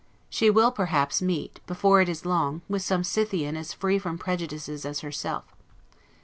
She will, perhaps, meet, before it is long, with some Scythian as free from prejudices as herself.